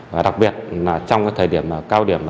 và đặc biệt trong thời điểm cao điểm